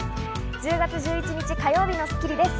１０月１１日、火曜日の『スッキリ』です。